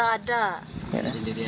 bikin sendiri aja